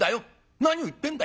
何を言ってんだい。